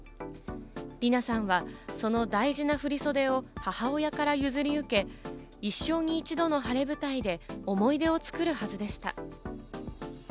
りなさんはその大事な振り袖を母親から譲り受け、一生に一度の晴れ舞台で思い出を作るはずでした。